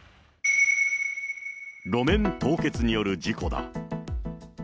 路面凍結による事故だ。